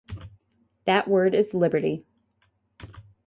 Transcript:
That word is Liberty.